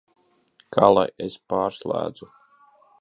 Kā lai es pārslēdzu?